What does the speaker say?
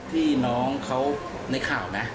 พี่น้องเขาในข่าวไหม